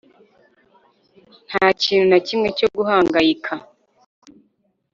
nta kintu na kimwe cyo guhangayika